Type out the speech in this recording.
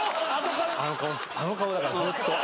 あの顔だからずーっと。